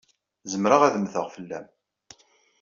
Zemreɣ ad mmteɣ fell-am.